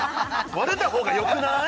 割れた方がよくない？